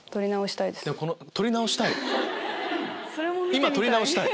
今撮り直したい？